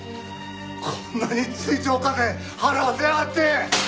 こんなに追徴課税払わせやがって！